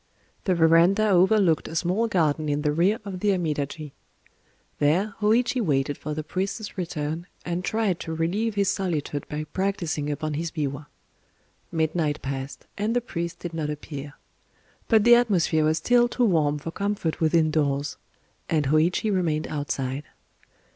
The verandah overlooked a small garden in the rear of the Amidaji. There Hōïchi waited for the priest's return, and tried to relieve his solitude by practicing upon his biwa. Midnight passed; and the priest did not appear. But the atmosphere was still too warm for comfort within doors; and Hōïchi remained outside.